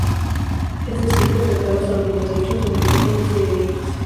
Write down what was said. Es decir, que trataba sobre los derechos, obligaciones y delitos.